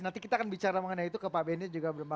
nanti kita akan bicara mengenai itu ke pak benny juga